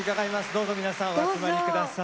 どうぞ皆さんお集まり下さい。